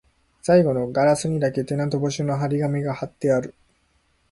最後のガラスにだけ、テナント募集の張り紙が張ってある